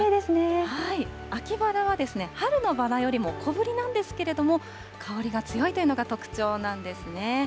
秋バラはですね、春のバラよりも小ぶりなんですけれども、香りが強いというのが特徴なんですね。